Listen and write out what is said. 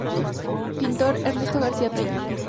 Pintor: Ernesto García Peña.